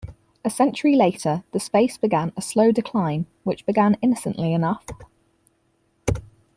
A century later, the space began a slow decline, which began innocently enough.